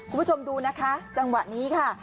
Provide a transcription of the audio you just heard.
คุณผู้ชมดูนะคะจังหวะนี้ค่ะ